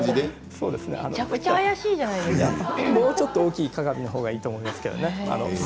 めちゃくちゃもうちょっと大きい鏡のほうがいいと思いますけどね。